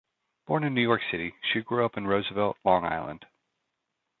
Born in New York City, she grew up in Roosevelt, Long Island.